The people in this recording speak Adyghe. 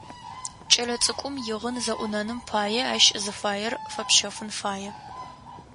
Кӏэлэцӏыкӏум игъын зэӏунэным пае, ащ зыфаер фэпщэфын фае.